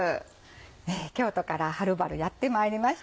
京都からはるばるやって参りました。